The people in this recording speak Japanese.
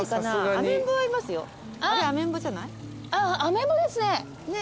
アメンボですね。